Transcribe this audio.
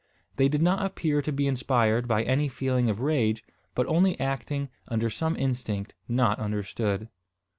They did not appear to be inspired by any feeling of rage, but only acting under some instinct not understood.